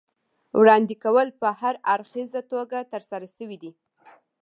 وړاندې کول په هراړخیزه توګه ترسره شوي دي.